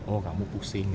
oh kamu pusing